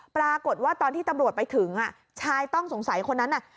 ปรากฏว่าตอนที่ตำรวจไปถึงชายต้องสงสัยคนนั้นน่ะ